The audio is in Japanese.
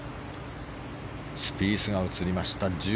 スピースが映りました。